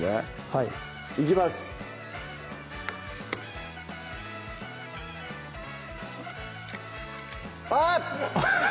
はいいきますあぁっ！